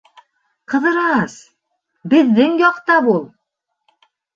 — Ҡыҙырас, беҙҙең яҡта бул.